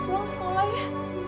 pulang sekolah ya